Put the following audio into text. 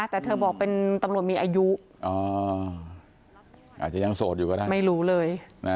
แต่เธอบอกเป็นตำรวจมีอายุอาจจะยังโสดอยู่ก็ได้ไม่รู้เลย